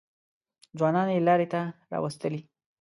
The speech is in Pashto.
ځوانان یې لارې ته راوستلي.